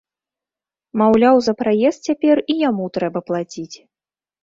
Маўляў, за праезд цяпер і яму трэба плаціць.